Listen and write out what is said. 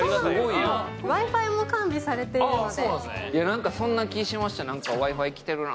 Ｗｉ−Ｆｉも完備されているので。